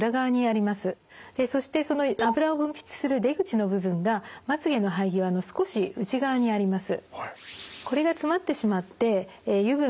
そしてその油を分泌する出口の部分がまつげの生え際の少し内側にあります。